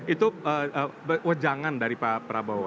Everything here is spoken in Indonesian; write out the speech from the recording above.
itu wejangan dari pak prabowo